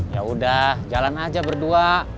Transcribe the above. yaudah jalan aja berdua